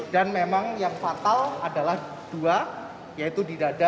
dan memang yang fatal adalah dua yaitu di dada